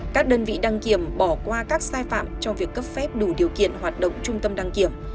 các đơn vị đăng kiểm bỏ qua các sai phạm trong việc cấp phép đủ điều kiện hoạt động trung tâm đăng kiểm